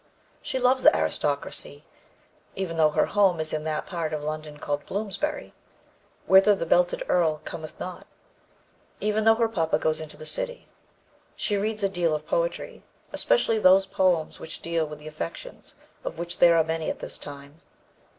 She loves the aristocracy, even although her home is in that part of London called Bloomsbury, whither the belted earl cometh not, even though her papa goes into the City; she reads a deal of poetry, especially those poems which deal with the affections, of which there are many at this time.